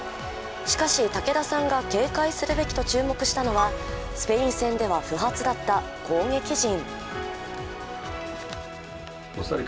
しかし、武田さんが警戒するべきと注目しのはスペイン戦では不発だった攻撃陣。